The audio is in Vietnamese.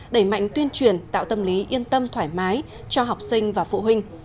đẩy mạnh tuyên truyền tạo tâm lý yên tâm thoải mái cho học sinh và phụ huynh